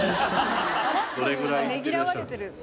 ねぎらわれてる。